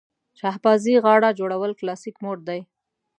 شهبازي غاړه جوړول کلاسیک موډ دی.